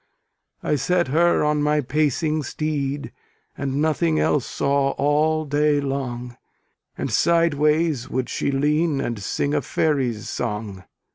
I set her on my pacing steed, And nothing else saw all day long; And sideways would she lean, and sing A faery's song.